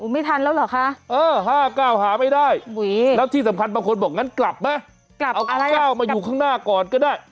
ไม่ทันแล้วเหรอคะ๕๙หาไม่ได้แล้วที่สำคัญบางคนบอกงั้นกลับไหมกลับก้าวมาอยู่ข้างหน้าก่อนก็ได้